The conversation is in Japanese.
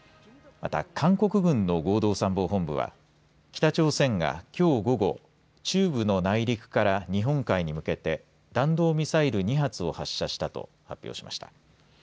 また、韓国軍の合同参謀本部は北朝鮮がきょう午後、中部の内陸から日本海に向けて弾道ミサイル２発を発射したと発表しました。